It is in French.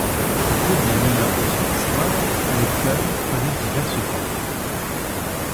Au cours des mille ans de son histoire, le chœur connaît diverses fortunes.